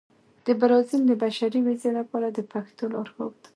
د برازيل د بشري ویزې لپاره د پښتو لارښود